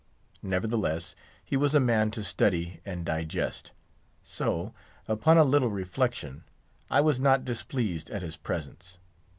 Nevertheless, he was a man to study and digest; so, upon a little reflection; I was not displeased at his presence.